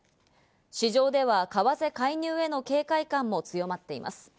市場では、為替介入への警戒感も強まっています。